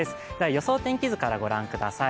予想天気図からご覧ください。